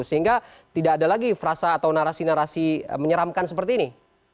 sehingga tidak ada lagi frasa atau narasi narasi menyeramkan seperti ini